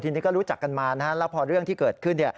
ทีนี้ก็รู้จักกันมานะฮะแล้วพอเรื่องที่เกิดขึ้น